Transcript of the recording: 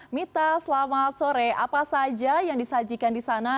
mita selamat sore apa saja yang disajikan di sana